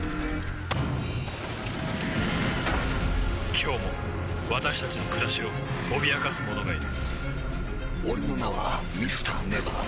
今日も私たちの暮らしを脅かすものがいる俺の名はＭｒ．ＮＥＶＥＲ。